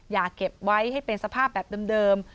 อย่าเก็บไว้ให้เป็นสภาพแบบเดิม